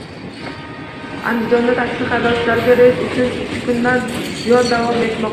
Andijonda taksi haydovchilariga reyd uch kundan buyon davom etmoqda